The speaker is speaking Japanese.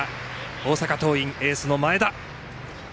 大阪桐蔭、エースの前田。